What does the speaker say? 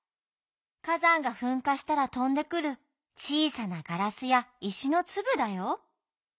火山がふんかしたらとんでくるちいさなガラスや石のつぶだよ。